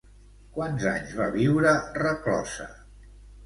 Quants anys va viure reclosa?